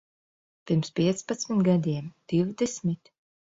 Pirms piecpadsmit gadiem? Divdesmit?